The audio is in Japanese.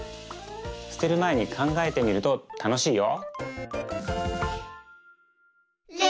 すてるまえにかんがえてみるとたのしいよ！